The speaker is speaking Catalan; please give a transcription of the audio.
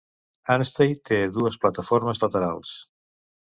Anstey té dues plataformes laterals.